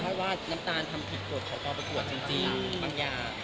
น้ำตาลทำผิดกฎของกองประกวดจริง